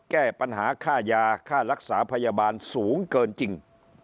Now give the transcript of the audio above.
แก้ปัญหาค่ายาค่ารักษาพยาบาลสูงเกินจริง